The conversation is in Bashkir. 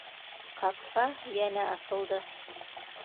Ҡапҡа йәнә асылды.